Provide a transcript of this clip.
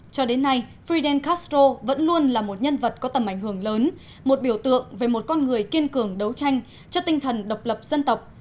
cho đến nay fidel castro vẫn luôn là một nhân vật có tầm ảnh hưởng lớn một biểu tượng về một con người kiên cường đấu tranh cho tinh thần độc lập dân tộc